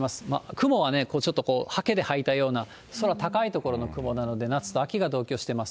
雲はね、ちょっとはけではいたような、空高い所の雲なので夏と秋が同居しています。